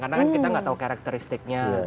karena kan kita nggak tahu karakteristiknya